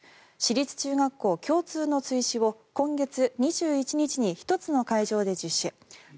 私立中学校共通の追試を今月２１日に１つの会場で実施。